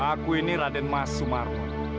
aku ini raden mas sumarmo